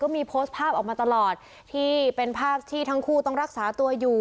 มีโพสต์ภาพออกมาตลอดที่เป็นภาพที่ทั้งคู่ต้องรักษาตัวอยู่